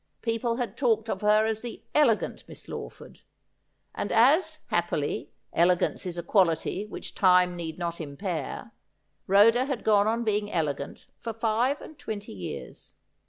People had talked of her as the elegant Miss Lawford : and as, happily, elegance is a quality which time need not impair, Rhoda had gone on being elegant for five and twenty years.